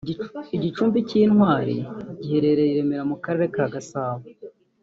Igicumbi cy’Intwari giherereye i Remera mu Karere ka Gasabo